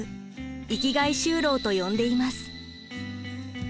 生きがい就労と呼んでいます。